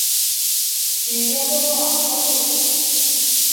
Көй яҙыуы анһат ул!